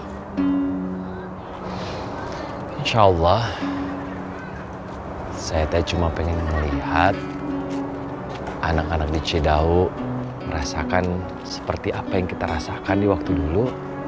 insya allah saya cuma pengen melihat anak anak di cidau merasakan seperti apa yang kita rasakan di waktu dulu